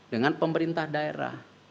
dengan pemerintah daerah